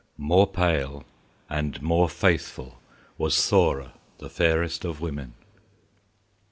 More pale and more faithful Was Thora, the fairest of women.